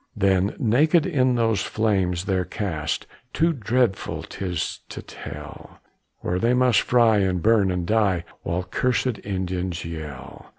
Then naked in those flames they're cast, Too dreadful 'tis to tell, Where they must fry, and burn and die, While cursed Indians yell.